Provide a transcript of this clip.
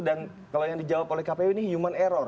dan kalau yang dijawab oleh kpu ini human error